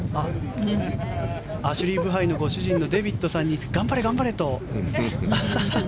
アシュリー・ブハイのご主人のデービッドさんに頑張れ、頑張れと。